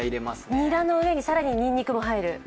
ニラの上に更ににんにくも入る？